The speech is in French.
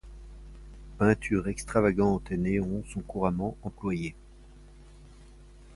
Peinture extravagante et néon sont couramment employés.